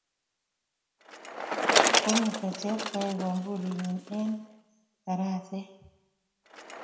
Kometo Chepkoech mambulinnyi eng' tarasetn